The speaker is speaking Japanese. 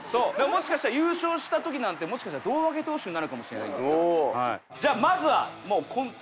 もしかしたら優勝した時なんてもしかしたら胴上げ投手になるかもしれないんですから。